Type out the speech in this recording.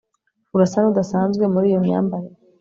Urasa nudasanzwe muri iyo myambarire